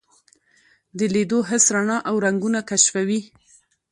د لیدو حس رڼا او رنګونه کشفوي.